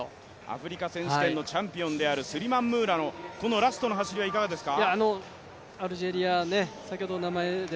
アフリカ選手権のチャンピオンであるスリマン・ムーラのラストの走りはいかがですか。